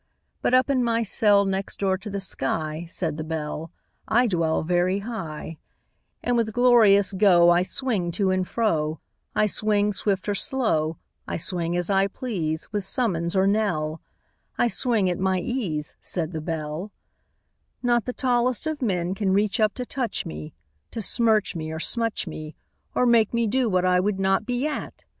But up in my cell Next door to the sky, Said the Bell, I dwell Very high; And with glorious go I swing to and fro; I swing swift or slow, I swing as I please, With summons or knell; I swing at my ease, Said the Bell: Not the tallest of men Can reach up to touch me, To smirch me or smutch me, Or make me do what I would not be at!